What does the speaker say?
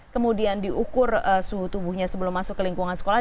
kemudian diukur suhu tubuhnya sebelum masuk ke lingkungan sekolah